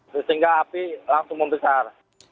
sehingga api langsung membesar